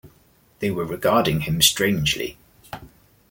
They were regarding him strangely.